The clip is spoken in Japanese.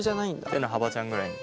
手の幅ちゃんくらいに。